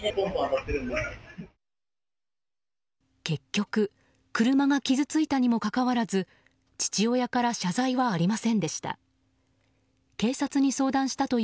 結局、車が傷ついたにもかかわらず父親から謝罪はありませんでした。